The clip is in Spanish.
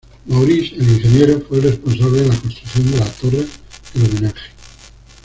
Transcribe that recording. Maurice el Ingeniero fue el responsable de la construcción de la Torre del Homenaje.